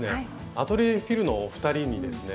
アトリエＦｉｌのお二人にですね